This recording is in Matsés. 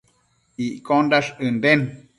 Iccondash ënden